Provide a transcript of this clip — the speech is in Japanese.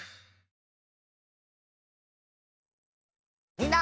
みんな。